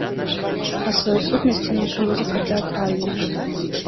Па сваёй сутнасці наша музыка тэатральная.